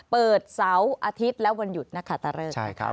เปิดเสาร์อาทิตย์และวันหยุดนะคะตะเลิก